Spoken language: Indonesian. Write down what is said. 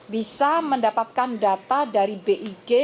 bisa mendapatkan data dari big